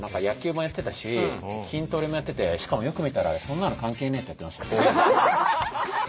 野球もやってたし筋トレもやっててしかもよく見たら「そんなの関係ねぇ！」ってやってました。